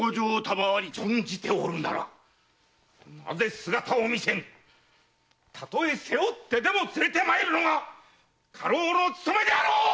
存じておるならなぜ姿を見せぬ⁉たとえ背負ってでも連れて参るのが家老の務めであろう！